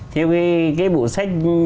theo cái bộ sách